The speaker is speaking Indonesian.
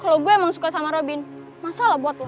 kalo gue emang suka sama robin masalah buat lo